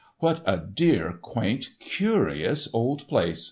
"What a dear, quaint, curious old place!"